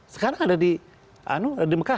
sekarang ada di mekah